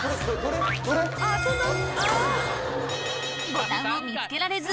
ボタンを見つけられず